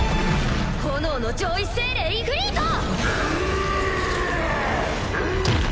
炎の上位精霊イフリート！